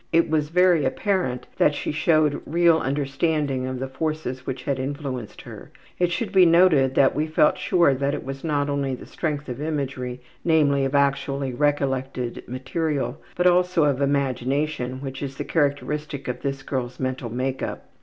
It was very apparent that she showed real understanding of the forces which had influenced her. It should be noted that we felt sure that it is not only the strength of imagery, namely, of actually recollected material, but also of imagination which is characteristic of this girl's mental make up.